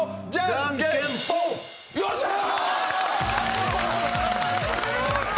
よっしゃー！